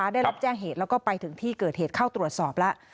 ได้รับแจ้งเหตุแล้วก็ไปถึงที่เกิดเหตุเข้าตรวจสอบแล้ว